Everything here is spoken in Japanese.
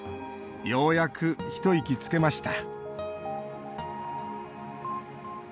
ようやく一息つけました。